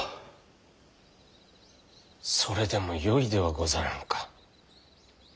それでもよいではござらんか。